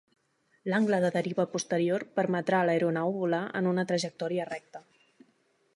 L'angle de deriva posterior permetrà a l'aeronau volar en una trajectòria recta.